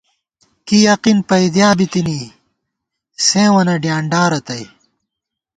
کی یقین پیدیا بی تی تِنی، سېوں وَنہ ڈیانڈا رتئ